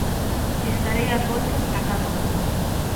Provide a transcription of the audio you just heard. Estarei ás voltas na cama.